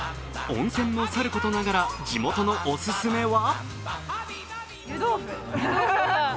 温泉もさることながら地元のおすすめは？